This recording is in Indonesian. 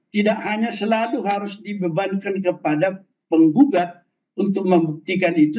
tidak hanya selalu harus dibebankan kepada penggugat untuk membuktikan itu